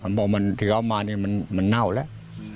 มันบอกว่าที่เขามานี่มันเน่าแล้ว